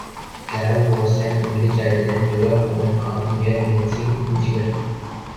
Carroll was an only child and grew up on a farm near Lansing, Michigan.